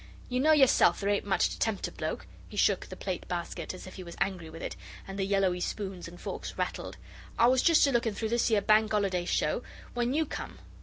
You know yourself there ain't much to tempt a bloke,' he shook the plate basket as if he was angry with it, and the yellowy spoons and forks rattled. 'I was just a looking through this 'ere Bank ollerday show, when you come.